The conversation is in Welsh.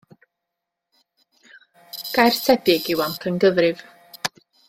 Gair tebyg yw amcangyfrif.